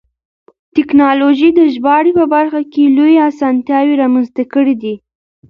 تکنالوژي د ژباړې په برخه کې لویې اسانتیاوې رامنځته کړې دي.